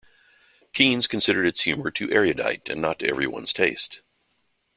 Keynes considered its humour too erudite and not to everyone's taste.